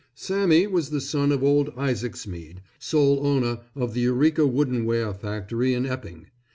Sammy was the son of old Isaac Smead, sole owner of the Eureka Wooden Ware factory in Epping.